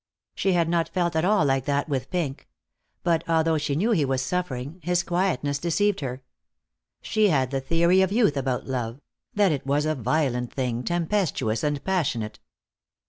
She had not felt at all like that with Pink. But, although she knew he was suffering, his quietness deceived her. She had the theory of youth about love, that it was a violent thing, tempestuous and passionate.